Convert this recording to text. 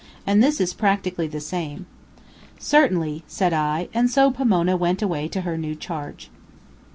And this is practically the same." "Certainly," said I; and so Pomona went away to her new charge.